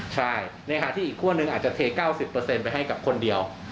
ใช่ในขณะที่อีกคั่วหนึ่งอาจจะเท๙๐ไปให้กับคนเดียว